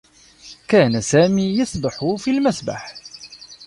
كان سامي يسبح في المسبح.